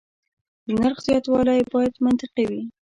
د نرخ زیاتوالی باید منطقي وي.